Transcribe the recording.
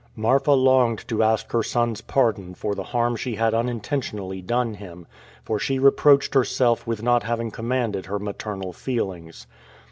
Marfa longed to ask her son's pardon for the harm she had unintentionally done him, for she reproached herself with not having commanded her maternal feelings.